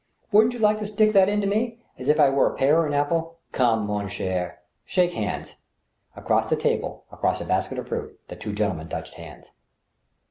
" Wouldn't you like to stick that into me, as if I were a pear or an apple ? Come, mon cker, shake hands." Across the table — ^across a basket of fruit— the two gentlemen touched hands.